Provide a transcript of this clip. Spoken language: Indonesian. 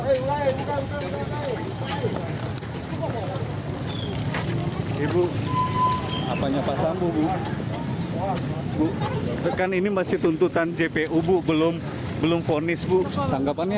ibu ibu apa nyapa sambung bu bu tekan ini masih tuntutan jp ubu belum belum vonis bu tanggapannya